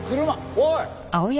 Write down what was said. おい！